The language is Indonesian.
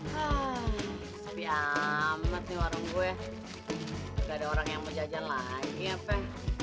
hai hampir amat warung gue dari orang yang mau jajan lagi apa